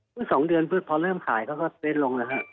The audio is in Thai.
ส่วนสองเดือนพอเริ่มขายเขาก็เซ็นต์ลงแล้วฮะ